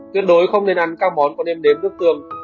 tuyết đối không nên ăn các món có đêm đếm nước tương